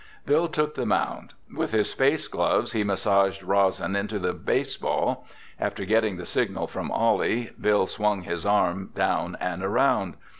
Bill took the mound. With his space gloves he massaged rosin into the baseball. After getting the signal from Ollie, Bill swung his arm down and around.